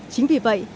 chính vì vậy